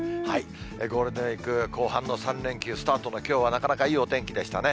ゴールデンウィーク後半の３連休スタートのきょうは、なかなか、いいお天気でしたね。